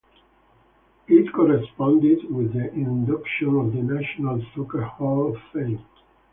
It corresponded with the induction of the National Soccer Hall of Fame.